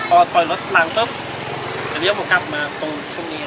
พอถอยรถหลังพบจะเบี้ยวผู้กลับมาตรงนี้